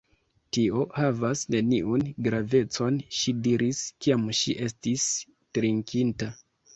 Tio havas neniun gravecon, ŝi diris, kiam ŝi estis trinkinta.